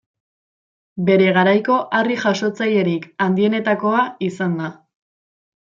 Bere garaiko harri-jasotzailerik handienetakoa izan da.